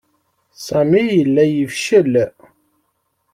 Sami yella yefcel.